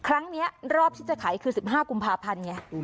ครั้งเนี้ยรอบที่จะขายคือสิบห้ากุมภาพันธ์ไงอืม